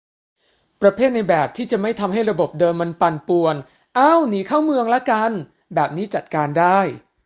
ประเภทในแบบที่จะไม่ทำให้ระบบเดิมมันปั่นป่วน เอ้า หนีเข้าเมือง ละกัน แบบนี้จัดการได้